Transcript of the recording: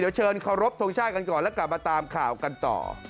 เดี๋ยวเชิญเคารพทงชาติกันก่อนแล้วกลับมาตามข่าวกันต่อ